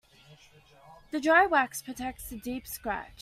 The dry wax protects the deep scratch.